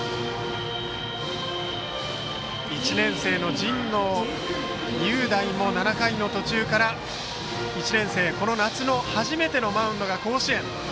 神農雄大も７回途中から１年生、この夏の初めてのマウンドが甲子園。